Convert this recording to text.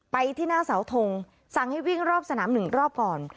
ไปที่หน้าเสาทงสั่งให้วิ่งรอบสนามหนึ่งรอบก่อน